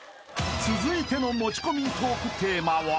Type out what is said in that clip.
［続いての持ち込みトークテーマは？］